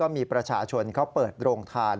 มีประชาชนเขาเปิดโรงทาน